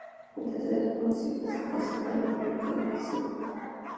En terceras nupcias, se casó con Margarita de Aizpuru.